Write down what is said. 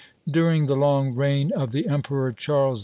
During the long reign of the Emperor Charles V.